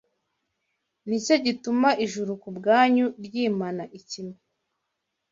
Ni cyo gituma ijuru ku bwanyu ryimana ikime